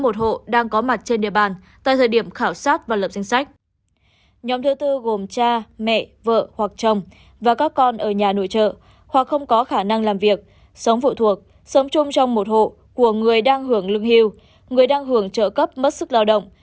sống phụ thuộc sống chung trong một hộ của người đang hưởng lương hiu người đang hưởng trợ cấp mất sức lao động